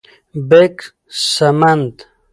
-بیک سمند: